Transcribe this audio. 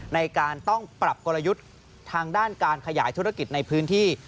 ในการต้องปรับกลยุทธ์ทางด้านการขยายธุรกิจในพื้นที่